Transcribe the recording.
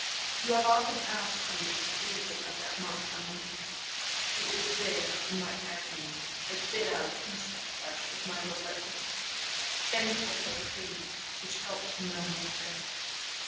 You have often asked me the reason of that mark on my hand; it was there, in my agony, I bit out a piece of flesh with my relentless teeth, thankful for the pain, which helped to numb my terror.